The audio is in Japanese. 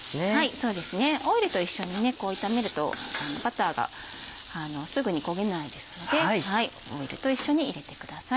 そうですねオイルと一緒に炒めるとバターがすぐに焦げないですのでオイルと一緒に入れてください。